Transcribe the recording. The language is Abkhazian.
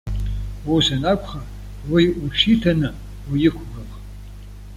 Ус анакәха, уи уҽиҭаны уиқәгәыӷ.